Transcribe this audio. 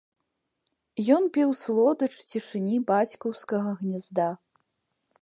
Ён піў слодыч цішыні бацькаўскага гнязда.